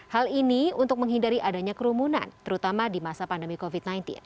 hal ini untuk menghindari adanya kerumunan terutama di masa pandemi covid sembilan belas